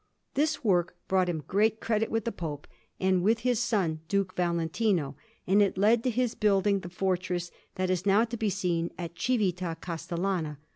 This work brought him great credit with the Pope, and with his son, Duke Valentino; and it led to his building the fortress that is now to be seen at Cività Castellana.